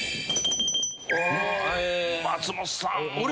松本さん。